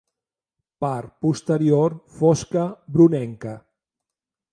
Part posterior fosca brunenca.